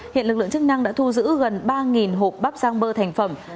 hiện lực lượng chức năng đã thu giữ gần ba hộp bắp giang bơ thành phẩm